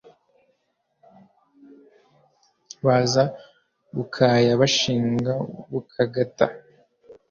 Baza Bukaya bashinga Bukagata